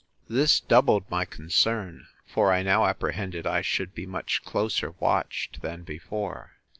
This doubled my concern; for I now apprehended I should be much closer watched than before.